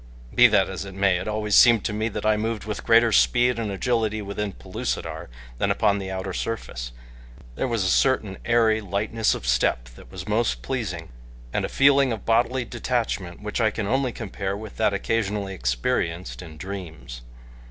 Be that as it may, it always seemed to me that I moved with greater speed and agility within Pellucidar than upon the outer surface there was a certain airy lightness of step that was most pleasing, and a feeling of bodily detachment which I can only compare with that occasionally experienced in dreams.